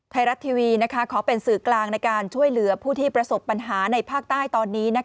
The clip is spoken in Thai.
ไทยรัฐทีวีขอเป็นสื่อกลางในการช่วยเหลือผู้ที่ประสบปัญหาในภาคใต้ตอนนี้